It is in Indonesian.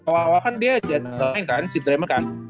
awal awal kan dia lain kan si drema kan